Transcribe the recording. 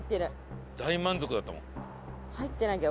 大満足だったもん。